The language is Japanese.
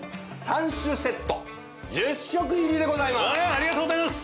ありがとうございます！